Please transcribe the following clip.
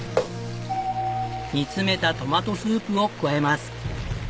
煮詰めたトマトスープを加えます。